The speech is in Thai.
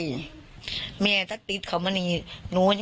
สงสันหนูเนี่ยว่าสงสันหนูเนี่ยมีกระทิแววออกได้จังไหน